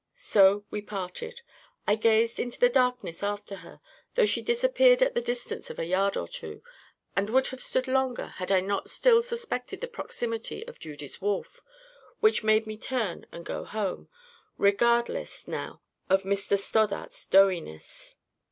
So we parted. I gazed into the darkness after her, though she disappeared at the distance of a yard or two; and would have stood longer had I not still suspected the proximity of Judy's Wolf, which made me turn and go home, regardless now of Mr Stoddart's DOUGHINESS.